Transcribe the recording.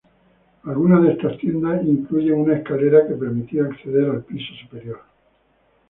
Algunas de estas tiendas incluyen una escalera que permitía acceder al piso superior.